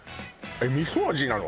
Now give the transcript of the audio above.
味噌味なの？